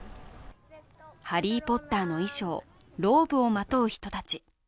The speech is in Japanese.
「ハリー・ポッター」の衣装ローブをまとう人たち。